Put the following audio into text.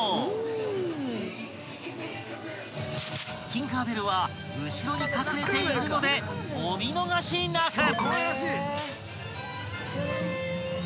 ［ティンカー・ベルは後ろに隠れているのでお見逃しなく！］